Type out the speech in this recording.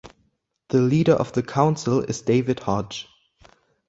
The leader of the council is David Hodge.